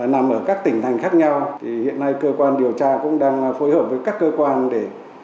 nằm ở các tỉnh thành khác nhau thì hiện nay cơ quan điều tra cũng đang phối hợp với các cơ quan để